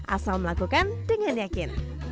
asal melakukan dengan yakin